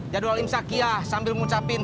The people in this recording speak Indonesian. jadwal imsakiyah sambil mengucapkan